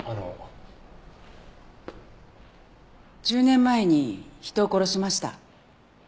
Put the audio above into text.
１０年前に人を殺しました。